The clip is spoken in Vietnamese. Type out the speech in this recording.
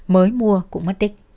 mới mua cũng mất tích